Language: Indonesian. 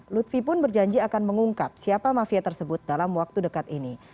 lutfi pun berjanji akan mengungkap siapa mafia tersebut dalam waktu dekat ini